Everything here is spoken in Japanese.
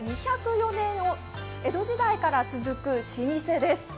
２０４年余、江戸時代から続く老舗です。